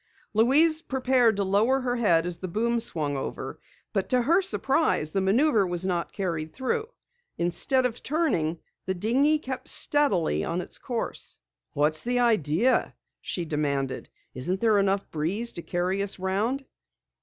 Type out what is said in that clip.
Louise prepared to lower her head as the boom swung over, but to her surprise the maneuver was not carried through. Instead of turning, the dinghy kept steadily on its course. "What's the idea?" she demanded. "Isn't there enough breeze to carry us around?"